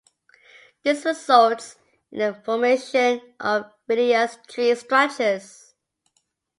This results in the formation of villous tree structures.